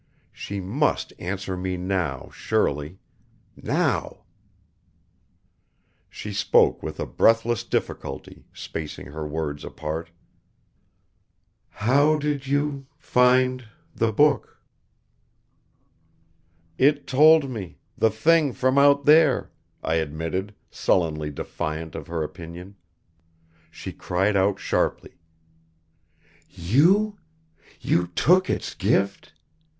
She must answer me now, surely! Now She spoke with a breathless difficulty, spacing her words apart: "How did you find the book?" "It told me the Thing from out there," I admitted, sullenly defiant of her opinion. She cried out sharply. "You? You took Its gift?